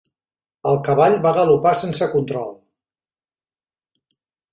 El cavall va galopar sense control.